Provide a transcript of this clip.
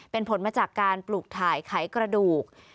เป็นผลมาจากการปลูกถ่ายไขกระดูก